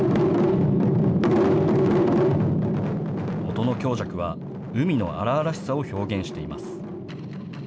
音の強弱は海の荒々しさを表現しています。